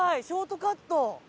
ショートカット！